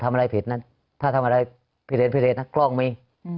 ทำอะไรผิดนั้นถ้าทำอะไรผิดเรนกล้องมี